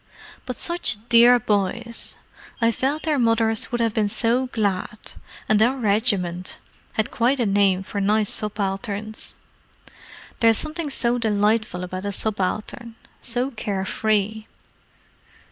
"But such dear boys! I felt their mothers would have been so glad. And our regiment had quite a name for nice subalterns. There is something so delightful about a subaltern—so care free."